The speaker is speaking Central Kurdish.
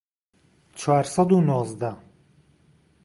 چوار سەد و نۆزدە